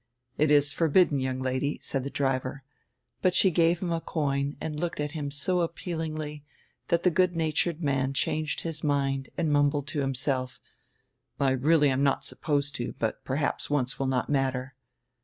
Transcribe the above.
"It is forbidden, young lady," said die driver. But she gave him a coin and looked at him so appealingly that die good natured man changed his mind and mumbled to himself: "I really am not supposed to, but perhaps once will not matter."